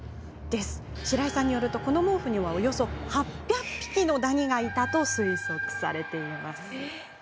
白井さんによると、この毛布にはおよそ８００匹のダニがいたと推測されます。